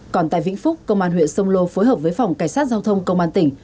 còn tại vĩnh phúc công an huyện sông lô phối hợp với phòng cảnh sát giao thông công an tỉnh